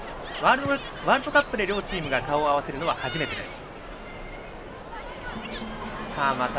ワールドカップで両チームが顔を合わせるのは初めてです。